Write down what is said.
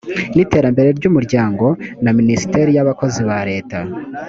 n iterambere ry umuryango na minisiteri y abakozi ba leta